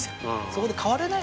そこで。